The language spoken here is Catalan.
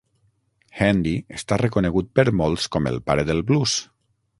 Handy està reconegut per molts com el pare del Blues.